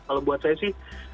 kalau buat saya sih